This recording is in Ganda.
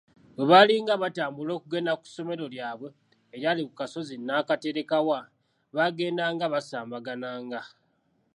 Bwe baalinga batambula okugenda ku ssomero lyabwe eryali ku kasozi Nnaakaterekawa, baagedanga basambagana nga